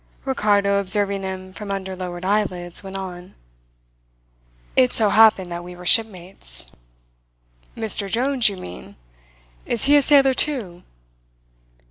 Ricardo, observing him from under lowered eyelids, went on: "It so happened that we were shipmates." "Mr Jones, you mean? Is he a sailor too?"